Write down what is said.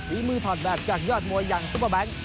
ฝีมือถอดแบบจากยอดมวยอย่างซุปเปอร์แบงค์